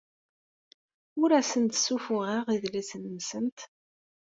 Ur asent-d-ssuffuɣeɣ idlisen-nsent.